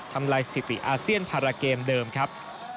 ทำลายสถิติอาเซียนพาราเกมเดิมครับ